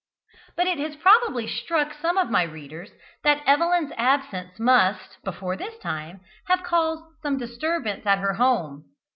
But it has probably struck some of my readers that Evelyn's absence must, before this time, have caused some disturbance at her home.